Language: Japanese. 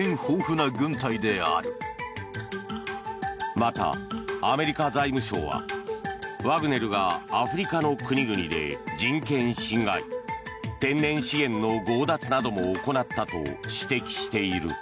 また、アメリカ財務省はワグネルがアフリカの国々で人権侵害、天然資源の強奪なども行ったと指摘している。